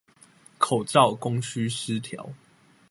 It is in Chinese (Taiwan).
口罩供需失調